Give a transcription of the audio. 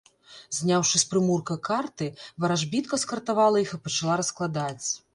Зняўшы з прымурка карты, варажбітка скартавала іх і пачала раскладаць.